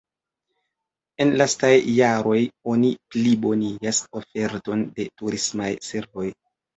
En lastaj jaroj oni plibonigas oferton de turismaj servoj.